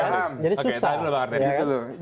oke tadi dulu bang arwani